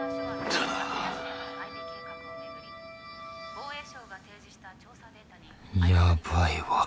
防衛省が提示した調査データに。